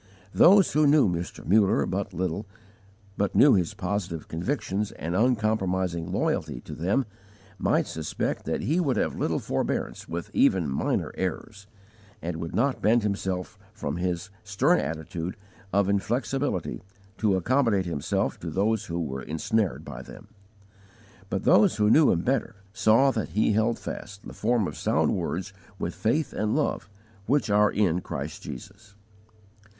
Those who knew Mr. Muller but little, but knew his positive convictions and uncompromising loyalty to them, might suspect that he would have little forbearance with even minor errors, and would not bend himself from his stern attitude of inflexibility to accommodate himself to those who were ensnared by them. But those who knew him better, saw that he held fast the form of sound words with faith and love which are in Christ Jesus.